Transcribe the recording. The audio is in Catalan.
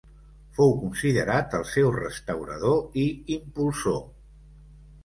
Fou considerat el seu restaurador i impulsor.